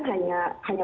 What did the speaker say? hanya makan begitu